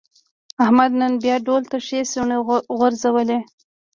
احمد نن بیا ډول ته ښې څڼې غورځولې.